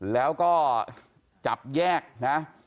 แล้วก็จับแยกนะ